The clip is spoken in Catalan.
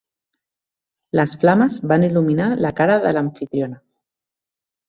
Les flames van il·luminar la cara de l'amfitriona.